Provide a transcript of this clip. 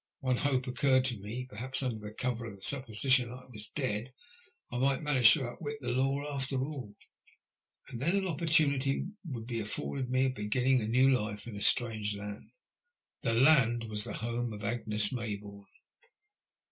One hope occurred to me. Perhaps, under cover of the supposition that I was dead, I might manage to outwit the law after all, and tiien an opportunity would be afforded me of beginning a new life in a strange land — the land that was the home of Agnes Mayboume.